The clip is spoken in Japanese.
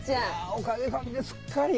おかげさんですっかり。